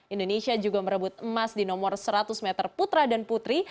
indonesia juga merebut emas di nomor seratus meter putra dan putri